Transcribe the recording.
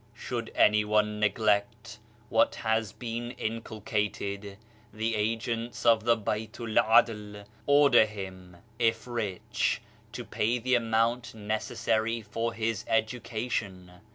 Should anyone neglect what has been inculcated, the agents of the Baitu'l 'Adl order him, if rich, to pay the amount necessary for his education.